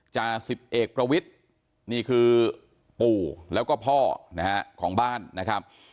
จ่าสิบเอกประวิทย์นี่คือปู่แล้วก็พ่อนะฮะของบ้านนะครับ